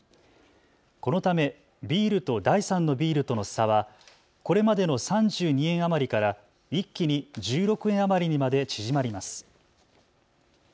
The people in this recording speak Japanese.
このためビールと第３のビールとの差はこれまでの３２円余りから一気に１６円余りにまで縮まります。